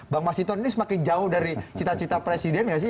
bang mas hinton ini semakin jauh dari cita cita presiden nggak sih